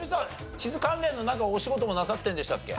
地図関連のお仕事もなさってるんでしたっけ？